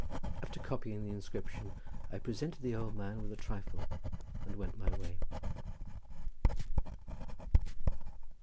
After copying the inscription I presented the old man with a trifle and went my way.